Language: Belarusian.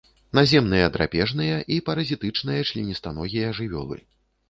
Наземныя драпежныя і паразітычныя членістаногія жывёлы.